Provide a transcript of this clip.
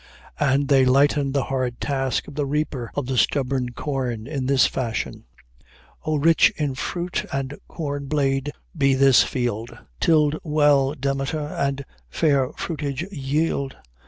And they lighten the hard task of the reaper of the stubborn corn in this fashion: "O rich in fruit and corn blade: be this field Tilled well, Demeter, and fair fruitage yield!